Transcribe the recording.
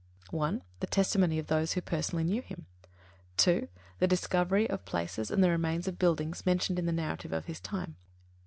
(1) The testimony of those who personally knew him. (2) The discovery of places and the remains of buildings mentioned in the narrative of his time.